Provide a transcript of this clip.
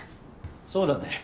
そうだね。